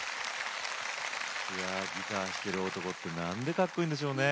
いやギター弾ける男って何でかっこいいんでしょうね。